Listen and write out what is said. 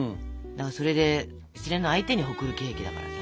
それで失恋の相手に贈るケーキだからさ。